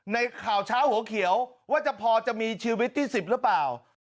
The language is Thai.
ในข่าวเช้าหัวเขียวว่าจะมีชีวิตที่๑๐แล้วป่าว